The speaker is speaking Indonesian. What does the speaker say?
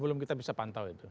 belum kita bisa pantau itu